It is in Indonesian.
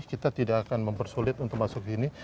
kita tidak akan mempersulit untuk masuk sini